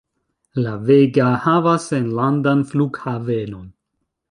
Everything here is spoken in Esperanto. La Vega havas enlandan flughavenon.